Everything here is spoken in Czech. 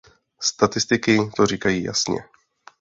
Statistiky to říkají jasně.